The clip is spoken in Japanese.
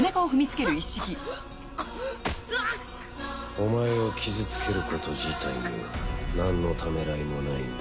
お前を傷つけること自体には何のためらいもないんだ。